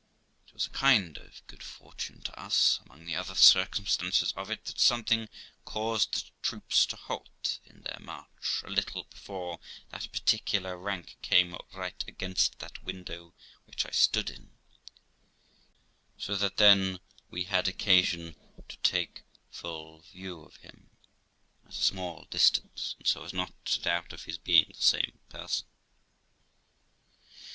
It was a kind of a good fortune to us, among the other circumstances of it, that something caused the troops to halt in their march a little before that particular rank came right against that window which I stood in, so that then we had occasion to take our full view of him at a small dis tance, and so as not to doubt of his being the same person.